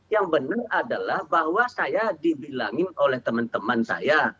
yang benar adalah bahwa saya dibilangin oleh teman teman saya